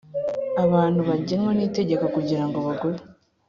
abantu bagenwa n’ itegeko kugira ngo bagure